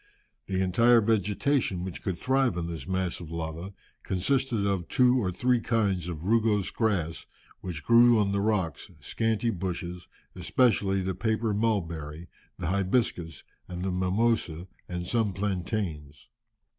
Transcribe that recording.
The entire vegetation which could thrive on this mass of lava consisted of two or three kinds of rugose grass, which grew on the rocks, scanty bushes, especially the paper mulberry, the 'hibiscus,' and the mimosa, and some plantains.